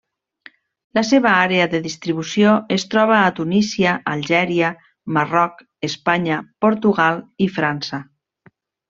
La seva àrea de distribució es troba a Tunísia, Algèria, Marroc, Espanya, Portugal i França.